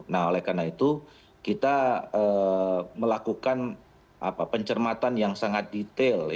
nah oleh karena itu kita melakukan pencermatan yang sangat detail